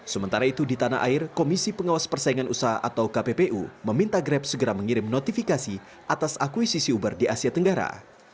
sementara itu di tanah air komisi pengawas persaingan usaha atau kppu meminta grab segera mengirim notifikasi atas akuisisi uber di asia tenggara